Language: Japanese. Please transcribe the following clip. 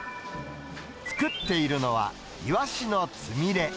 作っているのは、イワシのつみれ。